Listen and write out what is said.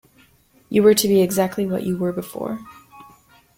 You were to be exactly what you were before.